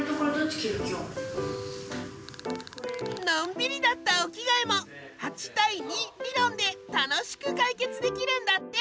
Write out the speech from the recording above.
のんびりだったお着替えも「８：２理論」で楽しく解決できるんだって！